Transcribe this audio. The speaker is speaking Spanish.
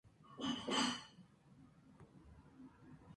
En ella reaparece el alter ego narrador, Jean.